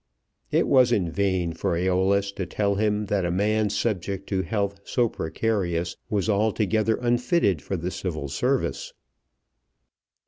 It was in vain for Æolus to tell him that a man subject to health so precarious was altogether unfitted for the Civil Service.